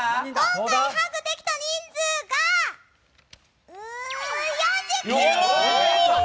今回ハグできた人数が４９人！